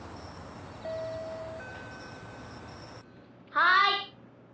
「はい」